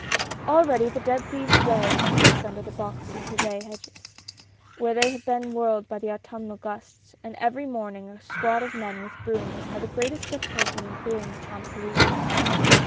LREADY the dead leaves lay in heaps under the Jl\. Box and Privet hedges, where they had been whirled by the Autumnal gusts, and every morning a squad of men with brooms had the greatest difficulty in clearing the Champs Elysees.